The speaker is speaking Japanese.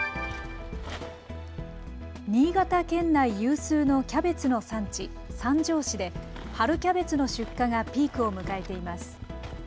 新潟県内有数のキャベツの産地、三条市で春キャベツの出荷がピークを迎えています。